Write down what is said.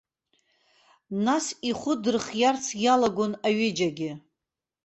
Нас ихәы дырхиарц иалагон аҩыџьагьы.